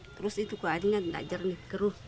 terus itu airnya enggak jernih keruh